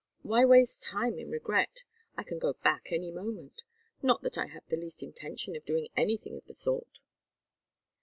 "Why waste time in regret? I can go back any moment. Not that I have the least intention of doing anything of the sort."